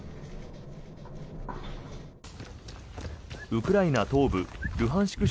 ウクライナ東部ルハンシク